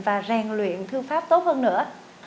và rèn luyện thư pháp tốt hơn nữa